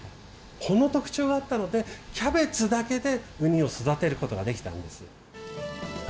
この特徴があったのでキャベツだけでウニを育てることができたんです。